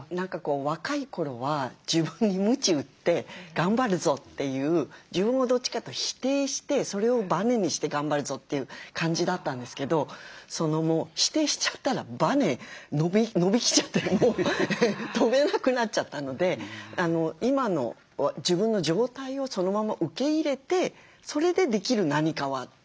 若い頃は自分にむち打って頑張るぞという自分をどっちかというと否定してそれをバネにして頑張るぞという感じだったんですけど否定しちゃったらバネ伸び切っちゃってもう跳べなくなっちゃったので今の自分の状態をそのまま受け入れてそれでできる何かはどうなんだ？